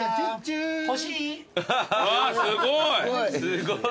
すごい！